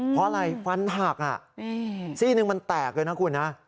เพราะอะไรฟันหักซี่หนึ่งมันแตกเลยนะคุณนะ